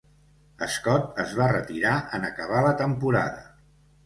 Scott es va retirar en acabar la temporada.